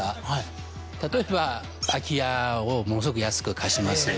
例えば空き家をものすごく安く貸します。